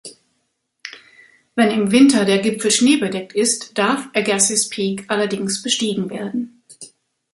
Wenn im Winter der Gipfel schneebedeckt ist, darf Agassiz Peak allerdings bestiegen werden.